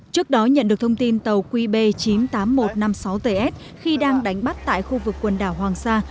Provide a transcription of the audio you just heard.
trước đó nhận được thông tin tàu qb chín mươi tám nghìn một trăm năm mươi sáu ts khi đang đánh bắt tại khu vực quần đảo hoàng sa